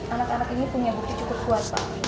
anak anak ini punya bukti cukup kuat pak